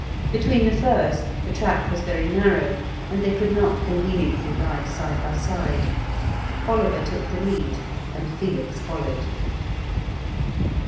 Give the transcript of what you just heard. Between the first the track was very narrow, and they could not conveniently ride side by side; Oliver took the lead, and Felix followed.